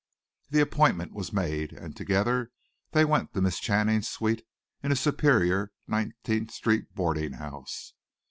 The appointment was made and together they went to Miss Channing's suite in a superior Nineteenth Street boarding house.